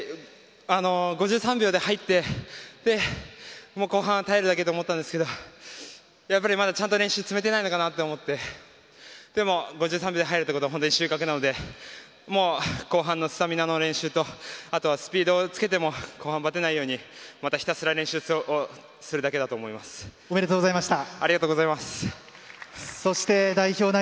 ５３秒で入って後半、耐えるだけと思ったんですけどやっぱりまだちゃんと練習を積めてないのかなと思ってでも５３秒で入れたことは本当に収穫なので後半のスタミナの練習とあとはスピードをつけてもばてないようにひたすら練習するだけだとおめでとうございました。